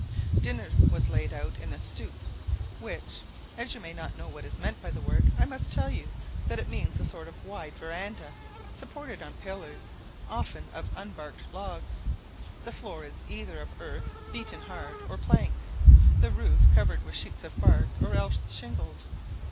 Dinner was laid out in the stoup, which, as you may not know what is meant by the word, I must tell you that it means a sort of wide verandah, supported on pillars, often of unbarked logs; the floor is either of earth beaten hard, or plank; the roof covered with sheets of bark or else shingled.